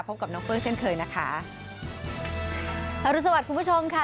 พบกับน้องเฟื้องเช่นเคยนะคะอรุณสวัสดิ์คุณผู้ชมค่ะ